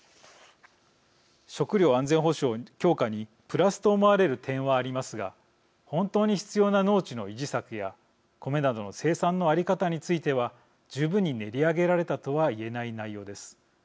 食料安全保障強化にプラスと思われる点はありますが本当に必要な農地の維持策やコメなどの生産の在り方については十分に練り上げられたとは言えない内容です。